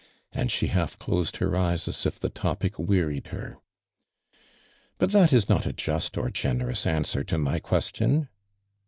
and she Iijilf closed her eyes as if the topic Wfuricd her. " But that is not a. just or jjenerous an swer to my (jucstion."